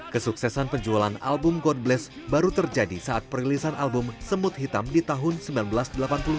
kesuksesan penjualan album god bless baru terjadi saat perilisan album semut hitam di tengah